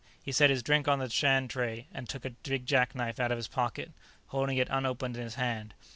He set his drink on the stand tray and took a big jackknife out of his pocket, holding it unopened in his hand.